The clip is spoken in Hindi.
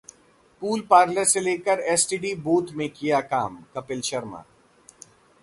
पूल पार्लर से लेकर एसटीडी बूथ में किया काम: कपिल शर्मा